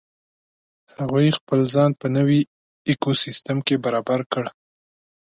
هغوی خپل ځان په نوې ایکوسیستم کې برابر کړ.